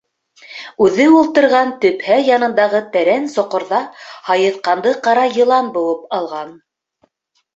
Үҙе ултырған төпһә янындағы тәрән соҡорҙа һайыҫҡанды ҡара йылан быуып алған!